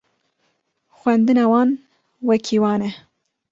Xwendina wan wekî wan e